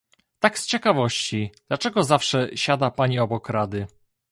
Tak z ciekawości, dlaczego zawsze siada Pani obok Rady?